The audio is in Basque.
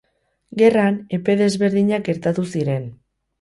Gerran epe desberdinak gertatu ziren.